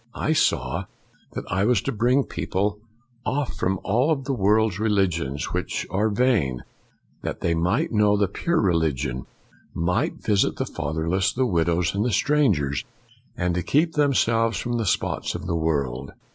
I saw that I was to bring people off from all the world's religions, which are vain; that they might know the pure religion, might visit the fatherless, the widows and the strangers, and keep themselves from the spots of the world.